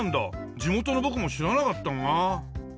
地元の僕も知らなかったな。